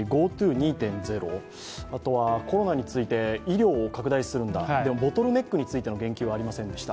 ２．０、あとは医療を拡大するんだでもボトルネックについての言及はありませんでした。